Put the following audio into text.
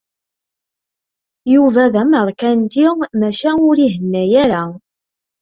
Yuba d ameṛkanti maca ur ihenna ara.